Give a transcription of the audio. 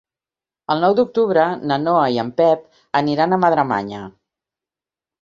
El nou d'octubre na Noa i en Pep aniran a Madremanya.